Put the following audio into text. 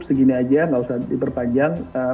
segini aja nggak usah diperpanjang